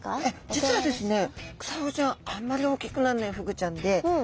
実はですねへえ。